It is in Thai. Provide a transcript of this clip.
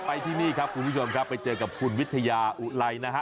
ที่นี่ครับคุณผู้ชมครับไปเจอกับคุณวิทยาอุไลนะฮะ